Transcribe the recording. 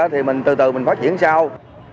thì từ từ mình phát triển sau